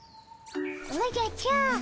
おじゃちゃー。